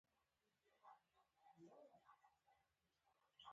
آیا ممیز د افغانستان مهم صادرات دي؟